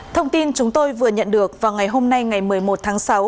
thông tin chúng tôi vừa nhận được vào ngày hôm nay ngày một mươi một tháng sáu